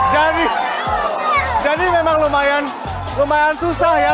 jadi memang lumayan lumayan susah ya